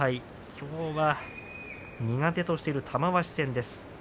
きょうは苦手としている玉鷲戦です。